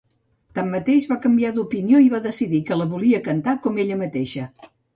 Tanmateix, va canviar d'opinió i va decidir que la volia cantar com ella mateixa.